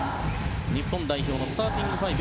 日本代表のスターティングファイブ。